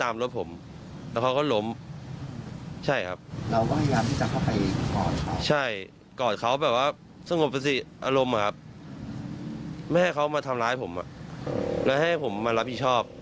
มือผมก็รับใช้แค่เต็มที่๔๕หมื่นบาทครับพี่